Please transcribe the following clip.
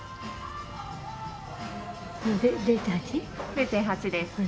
０．８です。